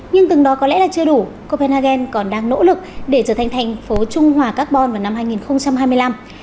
nhưng từng đó có lẽ là chưa đủ copenhagen còn đang nỗ lực để trở thành thành phố trung hòa carbon vào năm hai nghìn hai mươi năm